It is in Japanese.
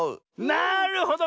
なるほど。